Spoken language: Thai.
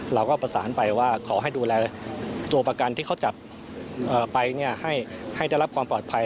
เราก็ประสานไปว่าขอให้ดูแลตัวประกันที่เขาจับไปให้ได้รับความปลอดภัย